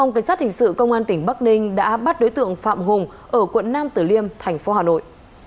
chính sự công an tỉnh bắc ninh đã bắt đối tượng phạm hùng ở quận nam tử liêm thành phố hà nội